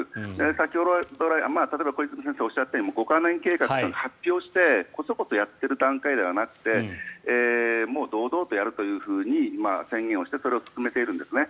先ほど、小泉先生がおっしゃったように五カ年計画を発表してこそこそやっている段階ではなくてもう堂々とやると宣言をしてそれを進めているんですね。